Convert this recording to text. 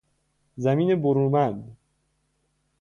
زمین برومند